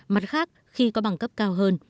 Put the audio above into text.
mặt khác khi có bằng cấp cao hơn